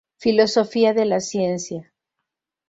Filosofía de la Ciencia